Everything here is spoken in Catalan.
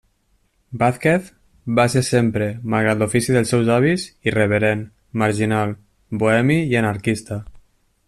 Vázquez va ser sempre, malgrat l'ofici dels seus avis, irreverent, marginal, bohemi i anarquista.